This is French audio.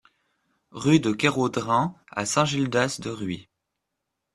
Rue de Kéraudren à Saint-Gildas-de-Rhuys